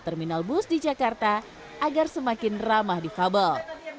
terminal bus di jakarta agar semakin ramah difabel